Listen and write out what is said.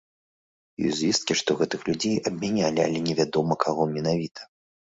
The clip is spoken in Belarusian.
Ёсць звесткі, што гэтых людзей абмянялі, але невядома, каго менавіта.